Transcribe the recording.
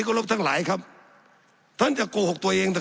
สับขาหลอกกันไปสับขาหลอกกันไป